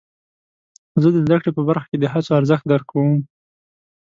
زه د زده کړې په برخه کې د هڅو ارزښت درک کوم.